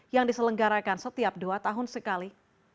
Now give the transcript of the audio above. yang diselenggarakan setiap dua tahun sekali